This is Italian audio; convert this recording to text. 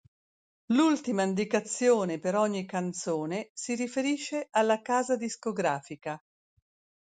L'ultima indicazione per ogni canzone si riferisce alla casa discografica.